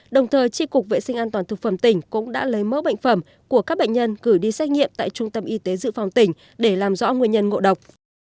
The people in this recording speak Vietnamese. đồng thời tri cục vệ sinh an toàn thực phẩm tỉnh cũng đã lấy mẫu bệnh phẩm của các bệnh nhân gửi đi xét nghiệm tại trung tâm y tế dự phòng tỉnh để làm rõ nguyên nhân ngộ độc